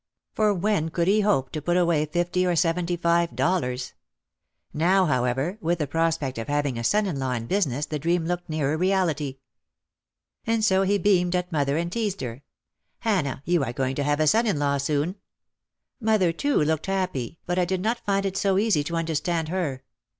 For when could he hope to put away fifty or seventy five dollars ! Now, however, with the prospect of having a son in law in business the dream looked nearer reality. And so he beamed at mother and teased her. "Hanah, you are going to have a son in law soon." Mother too looked happy but I did not find it so easy to under stand her.